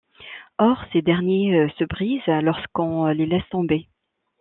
Or ces derniers se brisent lorsqu'on les laisse tomber.